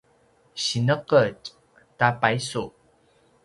sineqetj ta paisu